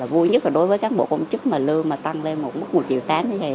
vui nhất là đối với cán bộ công chức mà lương tăng lên một triệu tán như thế này